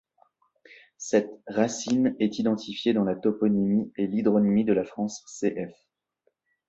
Cette racine est identifiée dans la toponymie et l'hydronymie de la France cf.